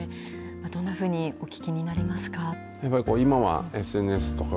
どんなふうにお聞きになりますか？